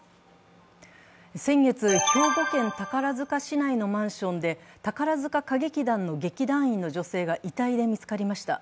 先月、兵庫県宝塚市内のマンションで宝塚歌劇団の劇団員の女性が遺体で見つかりました。